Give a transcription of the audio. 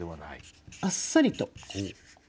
あっさりと。